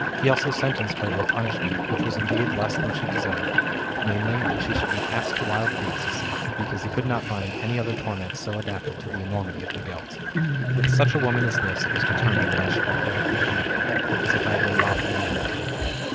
He also sentenced her to a punishment which was indeed less than she deserved, viz. that she should be cast to wild beasts, because he could not find any other torment so adapted to the enormity of her guilt. With such a woman as this it was determined that I should 4>e publicly connected, as if I had been lawfully married to her.